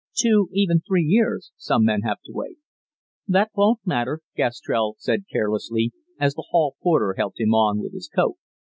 "Two, even three years, some men have to wait." "That won't matter," Gastrell said carelessly, as the hall porter helped him on with his coat.